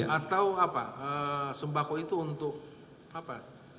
atau apa sembako itu untuk apa